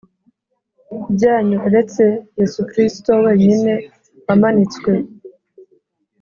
byanyu uretse Yesu Kristoh wenyine wamanitswe